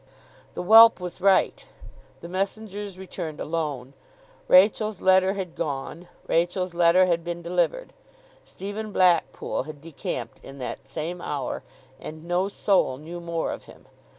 The whelp was right. The messengers returned alone. Rachael's letter had gone, Rachael's letter had been delivered. Stephen Blackpool had decamped in that same hour; and no soul knew more of him.